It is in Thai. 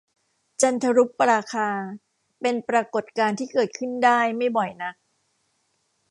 จันทรุปราคา เป็นปรากฎการณ์ที่เกิดขึ้นได้ไม่บ่อยนัก